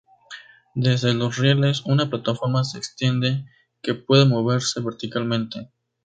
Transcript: Desde los rieles, una plataforma se extiende, que puede moverse verticalmente.